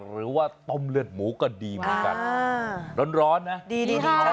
หรือว่าต้มเลือดหมูก็ดีเหมือนกันร้อนนะดีดีนะ